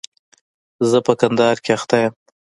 زه په کندهار کښي اخته يم.